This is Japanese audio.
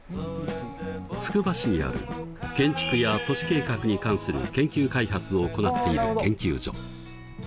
つくば市にある建築や都市計画に関する研究開発を行っている研究所。